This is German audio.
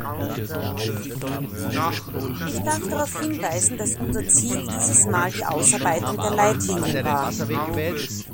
Ich darf darauf hinweisen, dass unser Ziel dieses Mal die Ausarbeitung der Leitlinien war.